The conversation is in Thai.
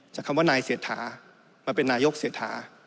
คำว่านายเศรษฐามาเป็นนายกเศรษฐา